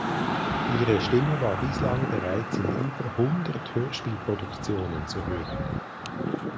Ihre Stimme war bislang bereits in über hundert Hörspielproduktionen zu hören.